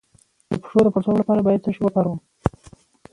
د پښو د پړسوب لپاره باید څه شی وکاروم؟